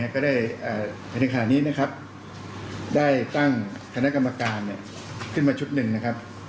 ก็ได้ถึงขณะนี้ได้ตั้งคณะกรรมการขึ้นมาชุดหนึ่ง